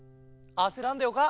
あせらんでよか。